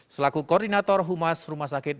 selaku koordinator humas rumah sakit